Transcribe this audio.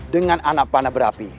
dengan anak panah berapi